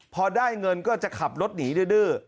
พอได้เงินก็จะขับรถหนีดื้อ